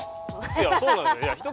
いやそうなのよ。